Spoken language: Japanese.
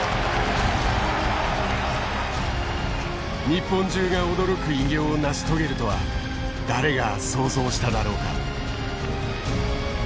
日本中が驚く偉業を成し遂げるとは誰が想像しただろうか。